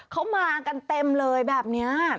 เขามากันเต็มเลยแบบนี้